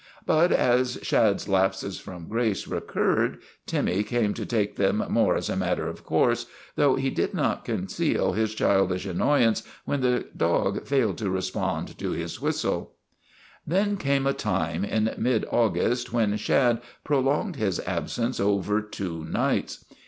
But as Shad's lapses from grace recurred, Timmy came to take them more as a mat ter of course, though he did not conceal his childish annoyance when the dog failed to respond to his whistle. 204 THE REGENERATION OF TIMMY Then came a time in mid August when Shad pro longed his absence over two nights.